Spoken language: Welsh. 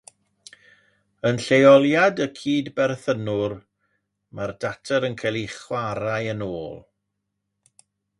Yn lleoliad y cydberthynwr mae'r data yn cael eu chwarae yn ôl.